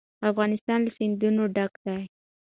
افغانستان له سیندونه ډک دی.